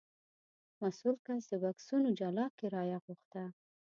مسوول کس د بکسونو جلا کرایه غوښته.